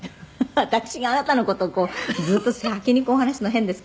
「私があなたの事をこうずっと先にこう話すの変ですけど」